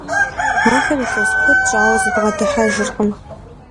Ахэр илъэс куэд щӏауэ зыбгъэдыхьэжыркъым.